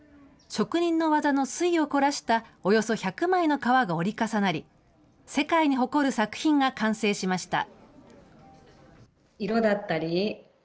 職人の技の粋を凝らしたおよそ１００枚の革が折り重なり、世界に誇る作品が完成しました。